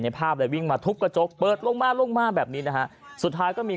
ภาพเลยวิ่งมาทุบกระจกเปิดลงมาลงมาแบบนี้นะฮะสุดท้ายก็มี